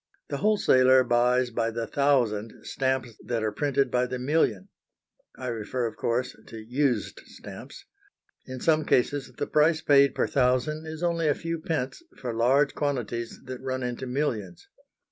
The wholesaler buys by the thousand stamps that are printed by the million. I refer, of course, to used stamps. In some cases the price paid per thousand is only a few pence for large quantities that run into millions.